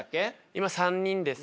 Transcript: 今３人です。